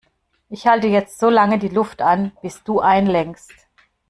Ich halte jetzt so lange die Luft an, bis du einlenkst.